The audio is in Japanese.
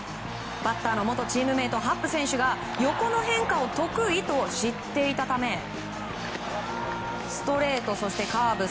バッターの元チームメートハップ選手が横の変化を得意と知っていたためストレート、そしてカーブ